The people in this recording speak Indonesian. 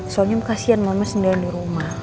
soalnya kasian mama senayan di rumah